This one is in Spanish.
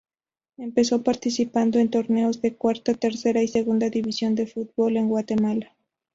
Empezó participando en torneos de cuarta, tercera y segunda división de fútbol en Guatemala.